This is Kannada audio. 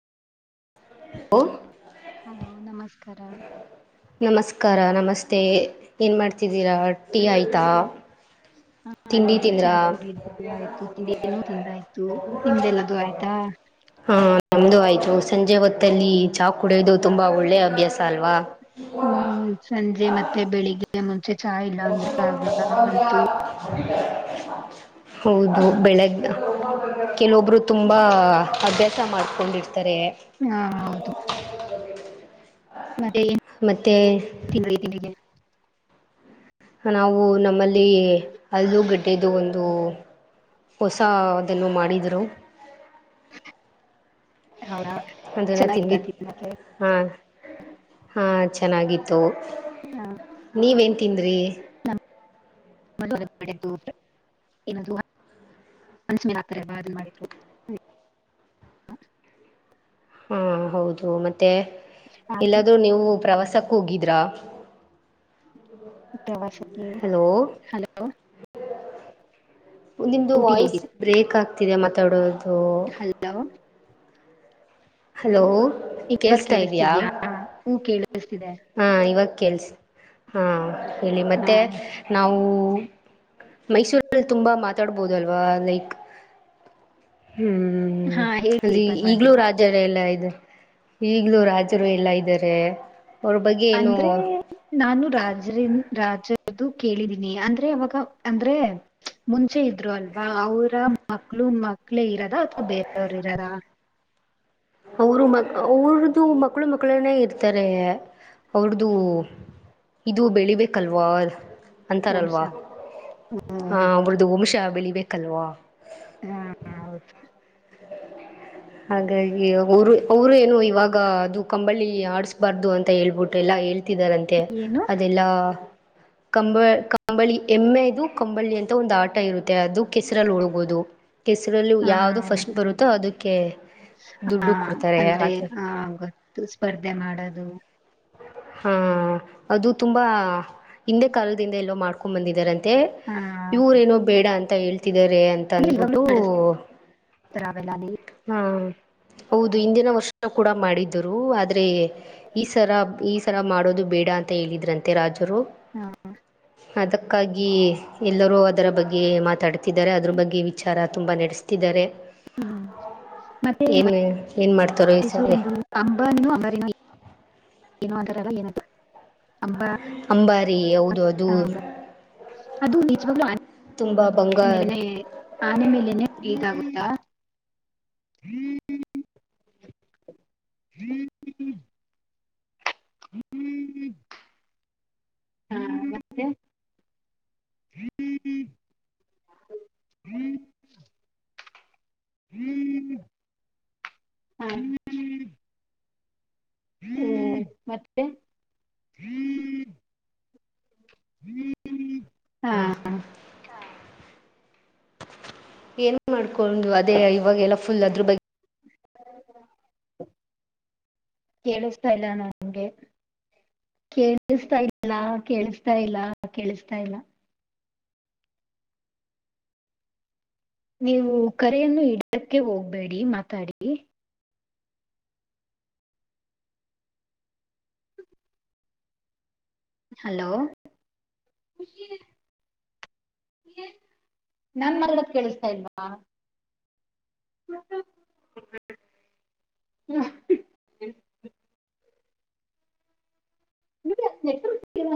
ಹೌ. [inaudible] ಹಲೋ ನಮಸ್ಕಾರ. ನಮಸ್ಕಾರ ನಮಸ್ತೆ ಏನ್ ಮಾಡ್ತಿದ್ದೀರಾ ಟೀ ಆಯ್ತಾ. [inaudible] [inaudible] ಹ. ನಂದು ಚಾ ಕುಡಿಯುದು ಆಯ್ತು ತಿಂಡಿನು ತಿಂದ ಆಯ್ತು ನಿಮ್ದೆಲ್ಲದು ಆಯ್ತಾ. [inaudible] ಹಾ ಅದ. ನಮ್ದ ಆಯ್ತು ಸಂಜೆ ಹೊತ್ತಲ್ಲಿ ಚಾ ಕುಡಿಯುವುದು ತುಂಬಾ ಒಳ್ಳೆಯ ಅಭ್ಯಾಸ ಅಲ್ವಾ. [inaudible] ಹ್ಮ್ ಸಂಜೆ ಮತ್ತೆ ಬೆಳಿಗ್ಗೆ ಮುಂಚೆ ಚಾ ಇಲ್ಲ ಅಂದ್ರೆ ಆಗಲ್ಲ ನಂಗ್ ಅಂತು. [inaudible] [inaudible] ಹೌದು ಬೆಳಗ್ಗದ ಕೆಲಒಬ್ಬರು ತುಂಬಾ ಅಭ್ಯಾಸ ಮಾಡ್ಕೊಂಡಿರ್ತಾರೆ. [inaudible] ಹ ಹೌದು ಮತ್ತೆ ಏನ್ ಮತ್ತು [inaudible] ತಿಂಡಿಗೆ. ನಾವು ನಮ್ಮಲ್ಲಿ ಅಲ್ಲು ಗಡ್ಡೆದು ಒಂದು. ಹೊಸ ಅದ ಏನೋ ಮಾಡಿದರು. [inaudible] ಹೌದಾ [inaudible] ಅದನ ಚೆನ್ನಾಗಿದ್ದ ತಿಂದಿವಿ. ತಿನ್ನಕ್ಕೆ ಹಾ ಹಾ ಚೆನ್ನಾಗಿತ್ತು. [inaudible] ಅಷ್ಟೇ ನಾ. ನೀವ್ ಏನ್ ತಿಂದಿರಿ. [inaudible] [inaudible] [inaudible] ಹಾಕ ಅದ ಮಾಡಿದ್ರು. ಹಾ ಹೌದು ಮತ್ತೆ ಎಲ್ಲಾದರೂ ನೀವು ಪ್ರವಾಸಕ್ಕ ಹೋಗಿದರಾ. ಪ್ರವಾಸಕ್ಕೇ ಹಲೋ ಹಲೋ. [inaudible] ಮುಂದಿದು ಊಟಿಗೆ ವಾಯ್ಸ್ ಹೋಗಿದ್ದೆ ಬ್ರೇಕ್ ಆಗ್ತಿದೆ ಮಾತಾಡೋದು. [inaudible] ಹಲೋ. ಹಲೋ ಇವಾಗ ಕೇಳಸ್ತಾ ಇದಿಯಾ. ಕೇಳಿಸ್ತಿದ್ಯಾ ಹೂ ಕೇಳಿಸ್ತಿದೆ [inaudible] ಹಾ ಇವಾಗ ಕೇಳಸ್ ಹಾ ಹೇಳಿ ಹ ಮತ್ತೆ. [inaudible] ನಾವು ಮೈಸೂರಲ್ಲಿ ತುಂಬಾ ಮಾತಾಡ ಬಹೋದು ಅಲ್ವಾ ಲೈಕ್ [inaudible] ಹ್ಮ್ ಹಾ ಹೇಳಿ ಅಲ್ಲಿ ಇಗಲ್ಲೂ ಪರವಾಗಿಲ್ಲ ರಾಜ ಎರಡ್ ಎರಡಲ್ಲಾ ಐದು ಈಗಲೂ ರಾಜರು ಎಲ್ಲಾ ಇದ್ದಾರೆ. ಅವ್ರ ಬಗ್ಗೆ ಏನು ಅಂದ್ರೆ. ನಾನು ರಾಜರಿನ್ ರಾಜದು ಕೇಳಿದೀನಿ ಅಂದ್ರೆ ಅವಾಗ ಅಂದ್ರೆ. [unintelligible] ಮುಂಚೆ ಇದ್ದರು ಅಲ್ವಾ ಅವರ ಮಕ್ಕಳು ಮಕ್ಕಳೇ ಇರೋದ ಅಥವಾ ಬೇರೆಯವರು ಇದರಾ. [unintelligible] ಅವರು ಮಕ್ಕ ಅವರದ್ದು ಮಕ್ಕಳು ಮಕ್ಕಳನೇ ಇರ್ತಾರೆ ಅವರದ್ದು. [inaudible] ಇದು ಬೆಳಿಬೇಕ ಅಲ್ವಾ ಅದ. [inaudible] ಅಂತಾರ ವಂಶ ಅಲ್ವಾ ಹಾ ಹ್ಮ್ ಒಬ್ಬರುದು ವಂಶ ಬೆಳಿಬೇಕಲ್ವಾ. [inaudible] ಹಾ ಹೌದು. [inaudible] ಹಾಗಾಗಿ ಅವರು ಅವರು ಏನು ಇವಾಗ ಅದು ಕಂಬಳಿ ಆಡಸ [inaudible] ಬಾರ್ದು ಅಂತ ಹೇಳಬಿಟ್ಟು ಎಲ್ಲಾ ಹೇಳ್ತಿದಾರಂತೆ ಏನು ಅದೆಲ್ಲಾ [inaudible] ಕಂಬ ಕಂಬಳಿ ಎಮ್ಮೆದು ಕಂಬಳಿ ಅಂತ ಒಂದು ಆಟ ಇರುತ್ತೆ ಅದು. [inaudible] ಕೆಸರಲ್ಲಿ ಉಡಗೋದು ಕೆಸರಲ್ಲಿ ಯಾವದು ಫಸ್ಟ್ ಬರುತ್ತೋ ಅದಕ್ಕೆ. ಹಾ ದುಡ್ಡು ಕೊಡ್ತಾರೆ ಅಂದ್ರೆ ಥರ [inaudible] ಆ ಗೊತ್ತು ಸ್ಪರ್ಧೆ ಮಾಡೋದು. [inaudible] ಹಾ ಅದು ತುಂಬಾ ಹಿಂದೆ ಕಾಲದಿಂದ ಎಲ್ಲೋ ಮಾಡ್ಕೊಂಡ ಬಂದಿದ್ದಾರೆ ಅಂತೆ. ಆ ಇವರ ಏನೋ ಬೇಡ ಅಂತ ಹೇಳ್ತಿದಿದ್ದಾರೆ ಅಂತ ಅಂದ್ಬಿಟ್ಟು [unintelligible] ಹಾ ಹೌದು ಹಿಂದಿನ ವರ್ಷ ಕೂಡ ಮಾಡಿದ್ದರು ಆದ್ರೆ ಈ ಸರ ಈ ಸರ ಮಾಡೋದು ಬೇಡ ಅಂತ ಹೇಳಿದ್ರಂತೆ ರಾಜರು ಹಾ ಅದಕ್ಕಾಗಿ ಎಲ್ಲರೂ ಅದರ ಬಗ್ಗೆ ಮಾತಾಡ್ತಿದ್ದಾರೆ ಅದರ ಬಗ್ಗೆ ವಿಚಾರ ತುಂಬ ನಡೆಸ್ತಿದ್ದಾರೆ [unintelligible] ಏನ್ ಏನ್ ಮಾಡ್ತಾರೋ ಈ ಸರಿ [unintelligible] ಅಂಬಾರಿ ಹೌದು ಅದು ಆ, ಅಂಬಾ ತುಂಬಾ ಬಂಗಾರ [unintelligible] [unintelligible] ಹ್ಮ್ [unintelligible] ಹಾ ಹ್ಮ್ [unintelligible] ಹ್ಮ್ [unintelligible] ಹಾ [unintelligible] ಹ್ಮ [unintelligible] ಹಾ ಏನ್ ಮಾಡ್ಕೊಂಡು ಅದೇ ಇವಾಗೆಲ್ಲ ಫುಲ್ ಅದ್ರ ಬಗ್ಗೆ ಕೇಳಿಸ್ತಿಲ್ಲ ನಂಗೆ ಕೇಳಿಸ್ತಾ ಇಲ್ಲ ಕೇಳಿಸ್ತಾ ಇಲ್ಲ ಕೇಳಿಸ್ತಾ ಇಲ್ಲ ನೀವು ಕರೆಯನ್ನು ಇಡಕ್ಕೆ ಹೋಗ್ಬೇಡಿ ಮಾತಾಡಿ ಹಲೋ [unintelligible] [unintelligible] [unintelligible]